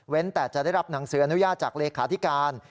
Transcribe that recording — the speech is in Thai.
แต่จะได้รับหนังสืออนุญาตจากเลขาธิการ